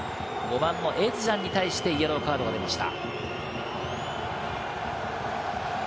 エズジャンに対してイエローカードが出ました。